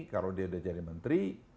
kalau dia udah jadi menteri